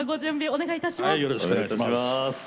お願いいたします。